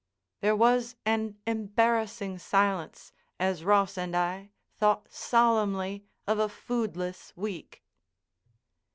There was an embarrassing silence as Ross and I thought solemnly of a foodless week.